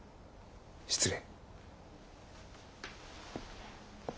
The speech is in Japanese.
失礼。